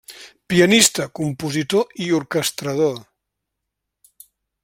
Pianista, compositor i orquestrador.